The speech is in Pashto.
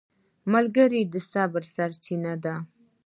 ملګری د صبر سرچینه ده